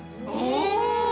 お！